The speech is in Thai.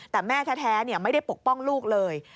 แต่แม่แท้ไม่ได้ปกป้องลูกเลย